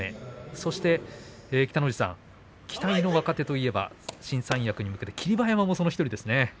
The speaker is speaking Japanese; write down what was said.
そして北の富士さん期待の若手、新三役に向けて霧馬山もその１人ですね。